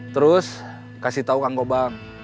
terus kasih tau kang kobang